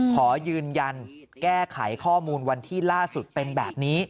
ขอยืนยันแก้ไขข้อมูลวันที่ล่าสุดเป็นแบบนี้